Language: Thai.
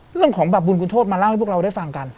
เรื่องของแบบบุญคุณโทษมาเล่าให้พวกเราได้ฟังกัน